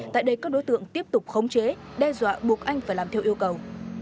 tại đây các đối tượng tiếp tục khống chế đe dọa buộc anh phải làm theo yêu cầu